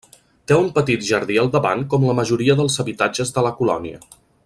Té un petit jardí al davant com la majoria dels habitatges de la colònia.